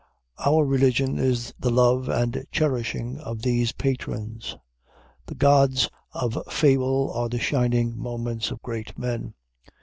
Our religion is the love and cherishing of these patrons. The gods of fable are the shining moments of great men.